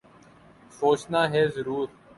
سوچنا ہے ضرور ۔